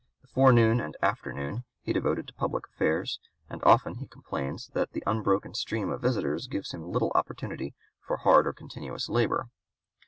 The forenoon and afternoon he devoted to public affairs, and often he complains that the unbroken stream of visitors gives him little opportunity for hard or continuous labor.